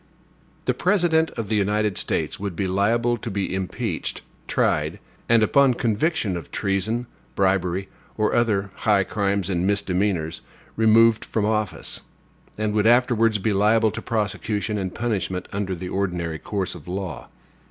The President of the United States would be liable to be impeached, tried, and, upon conviction of treason, bribery, or other high crimes or misdemeanors, removed from office; and would afterwards be liable to prosecution and punishment in the ordinary course of law.